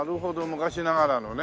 昔ながらのね。